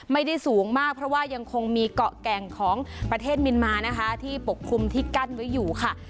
ไม่ได้สูงมากเพราะว่ายังคงมีเกาะแก่งของประเทศเมียนมานะคะที่ปกคลุมที่กั้นไว้อยู่ค่ะ